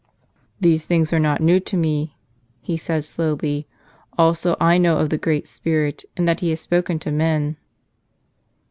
"These things are not new to me," he said slowly; "also I know of the Great Spirit and that He has spoken to men."